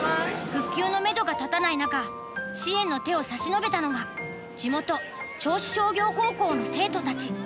復旧のめどが立たない中支援の手を差し伸べたのが地元銚子商業高校の生徒たち。